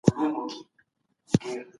جنت د تلپاتې خوښیو ځای دی.